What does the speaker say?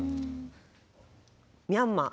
ミャンマー。